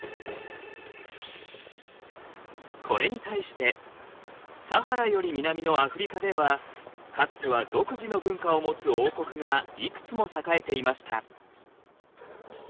これに対してサハラより南のアフリカではかつては独自の文化を持つ王国がいくつも栄えていました。